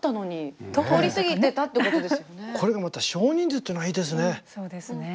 これがまた少人数っていうのがいいですね。